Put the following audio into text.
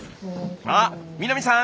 あっ南さん！